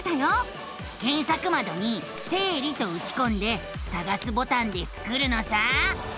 けんさくまどに「生理」とうちこんで「さがす」ボタンでスクるのさ！